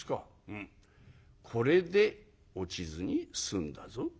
「うん。これで落ちずに済んだぞ。